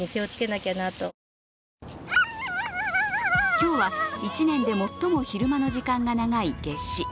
今日は１年で最も昼間の時間が長い夏至。